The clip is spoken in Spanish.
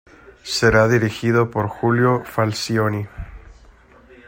Será dirigido por Julio Falcioni.